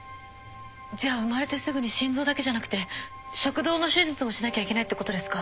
じゃあ生まれてすぐに心臓だけじゃなくて食道の手術もしなきゃいけないってことですか？